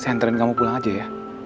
saya anterin kamu pulang aja ya